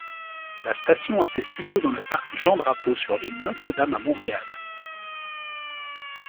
La station a ses studios dans le Parc Jean-Drapeau, sur l'île Notre-Dame à Montréal.